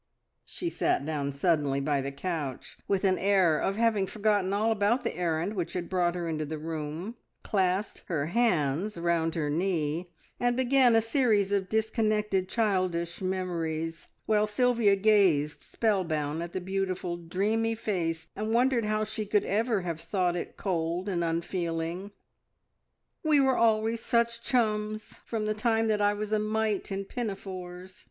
She sat down suddenly by the couch with an air of having forgotten all about the errand which had brought her into the room, clasped her hands round her knee, and began a series of disconnected childish memories, while Sylvia gazed spellbound at the beautiful, dreamy face, and wondered how she could ever have thought it cold and unfeeling. "We were always such chums, from the time that I was a mite in pinafores.